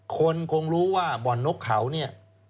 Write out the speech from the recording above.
คนคงรู้ว่าบอห์นนกเขานี่